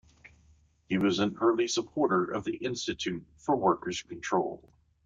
He was an early supporter of the Institute for Workers' Control.